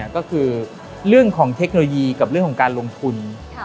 ก็คือเรื่องของเทคโนโลยีกับเรื่องของการลงทุน